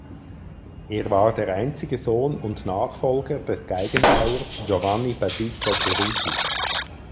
Er war der einzige Sohn und Nachfolger des Geigenbauers Giovanni Battista Ceruti.